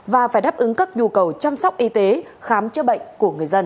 và phải đáp ứng các nhu cầu chăm sóc y tế khám chữa bệnh của người dân